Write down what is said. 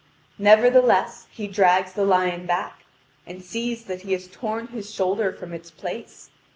Nevertheless, he drags the lion back, and sees that he had torn his shoulder from its place.